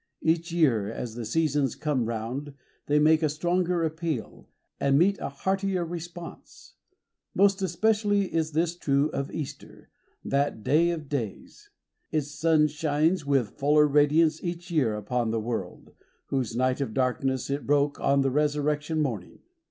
Each year, as the seasons come round, they make a stronger appeal, and meet a heartier response. Most especially is this true of Easter, that " day of days." Its sun shines with fuller radiance each year upon the world, whose night of darkness it broke, on the Resur rection Morning.